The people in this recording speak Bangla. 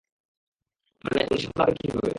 মানে, উনি সামলাবে কীভাবে?